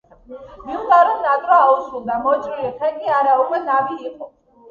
მიხვდა, რომ ნატვრა აუსრულდა! მოჭრილი ხე კი არა, უკვე ნავი იყო!